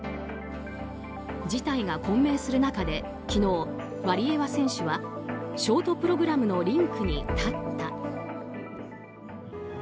事態が混迷する中で昨日ワリエワ選手はショートプログラムのリンクに立った。